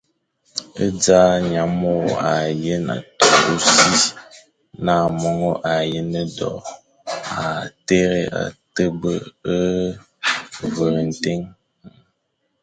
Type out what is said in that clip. E dza, nyamôro â yén a toʼo ô si, na mongo a yén do, â téré a tebe a vere ntén.